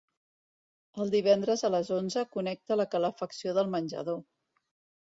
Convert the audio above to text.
Els divendres a les onze connecta la calefacció del menjador.